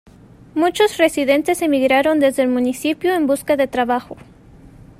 Muchos residentes emigraron desde el municipio en busca de trabajo.